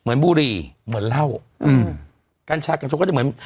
เหมือนบุหรี่เหมือนเหล้ากัญชากัญชงก็จะเหมือน